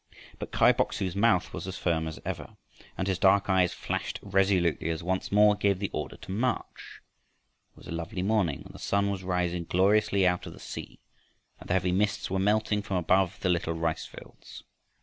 But Kai Bok su's mouth was as firm as ever, and his dark eyes flashed resolutely, as once more he gave the order to march. It was a lovely morning, the sun was rising gloriously out of the sea and the heavy mists were melting from above the little rice fields.